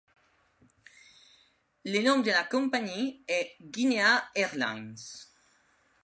Le nom de la compagnie est Guinea Airlines.